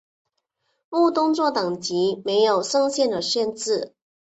误动作等级没有上限的限制。